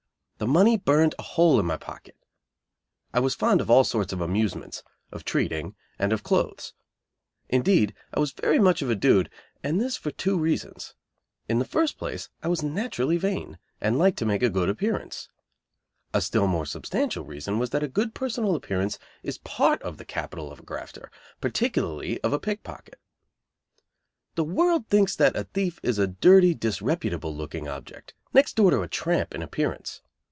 The money burned a hole in my pocket. I was fond of all sorts of amusements, of "treating," and of clothes. Indeed, I was very much of a dude; and this for two reasons. In the first place I was naturally vain, and liked to make a good appearance. A still more substantial reason was that a good personal appearance is part of the capital of a grafter, particularly of a pickpocket. The world thinks that a thief is a dirty, disreputable looking object, next door to a tramp in appearance.